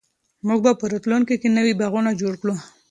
موږ به په راتلونکي کې نوي باغونه جوړ کړو.